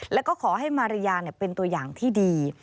แล้วก็ขอให้มาริยาเป็นตัวอย่างที่ดี